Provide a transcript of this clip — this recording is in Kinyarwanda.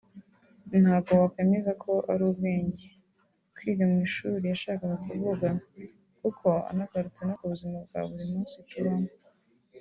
ntago wakwemeza ko ari ubwenge twiga mu ishuri yashakaga kuvuga kuko unagarutse no kubuzima bwa buri munsi tubamo